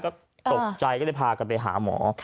ก็ตกใจก็เลยพากันไปหาหมอ